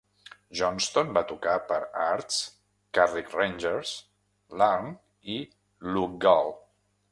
Johnstone va tocar per Ards, Carrick Rangers, Larne i Loughgall.